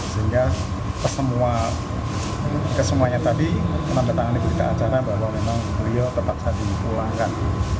sehingga kesemuanya tadi menambah tangan di berita acara bahwa memang beliau terpaksa dipulangkan